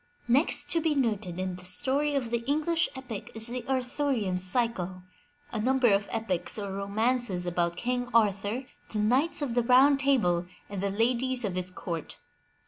Next to be noted in the story of the English epic is the Arthur ian Cycle, a number of epics or romances about King Arthur, the Knights of the Round Table and the ladies of his court.